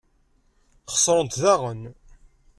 Xesrent daɣen.